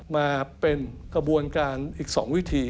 มาเป็นกระบวนการอีก๒วิธี